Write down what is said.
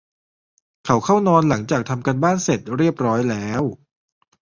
เขาเข้านอนหลังจากทำการบ้านเสร็จเรียบร้อยแล้ว